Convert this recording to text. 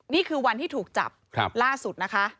นี่คือวันที่ถูกจับล่าสุดนะคะ